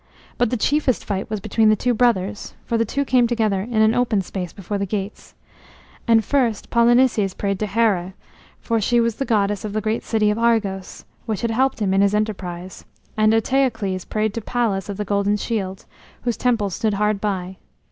But the chiefest fight was between the two brothers, for the two came together in an open space before the gates. And first Polynices prayed to Heré, for she was the goddess of the great city of Argos, which had helped him in this enterprise, and Eteocles prayed to Pallas of the Golden Shield, whose temple stood hard by.